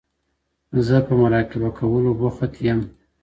زه په مراقبه کولو بوخت یم.